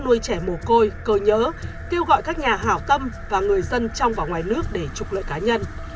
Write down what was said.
nuôi trẻ mồ côi cơ nhớ kêu gọi các nhà hào tâm và người dân trong và ngoài nước để trục lợi cá nhân